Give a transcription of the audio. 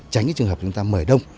tránh cái trường hợp chúng ta mời đông